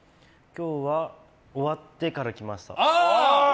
今日は、終わってから来ました。